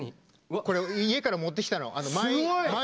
これ、家から持ってきたの。